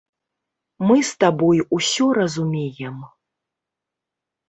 Мы з табой усё разумеем.